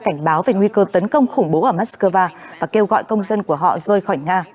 nhiều cơ tấn công khủng bố ở moskova và kêu gọi công dân của họ rơi khỏi nga